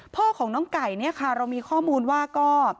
พ่อของน้องไก่เนี่ยค่ะเรามีข้อมูลว่าก็